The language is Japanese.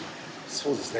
そうですね。